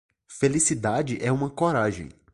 Felicidade é uma coragem.